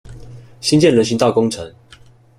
新建人行道工程